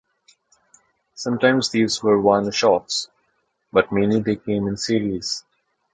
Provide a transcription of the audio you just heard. Sometimes these were one shots, but mainly they came in series.